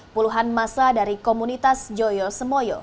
puluhan masa dari komunitas joyo semoyo